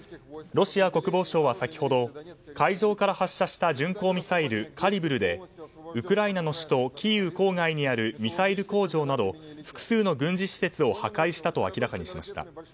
ロシア国防省は先ほど海上から発射した巡航ミサイルカリブルでウクライナの首都キーウ郊外にあるミサイル工場など複数の軍事施設を破壊したと明らかにしました。